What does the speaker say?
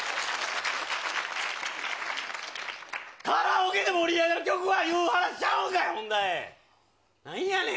カラオケで盛り上がる曲はいう話ちゃうんかい、ほんまに。